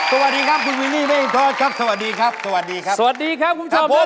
สวัสดีครับคุณวินี่แม่งท้อนครับสวัสดีครับสวัสดีครับคุณผู้ชมครับ